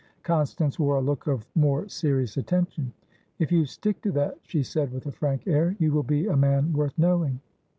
Constance wore a look of more serious attention. "If you stick to that," she said, with a frank air, "you will be a man worth knowing."